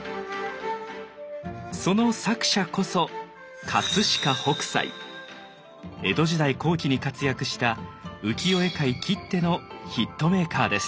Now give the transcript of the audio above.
その作者こそ江戸時代後期に活躍した浮世絵界きってのヒットメーカーです。